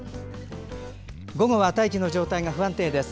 午後は大気の状態が不安定です。